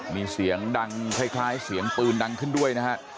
มีเสียงดังคล้ายเสียงปืนดังขึ้นด้วยนะฮะ